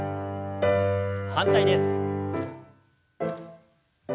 反対です。